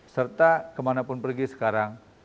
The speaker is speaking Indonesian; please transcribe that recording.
serta kemana pun pergi sekarang